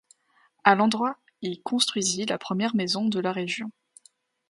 À l'endroit, il construisit la première maison de la région.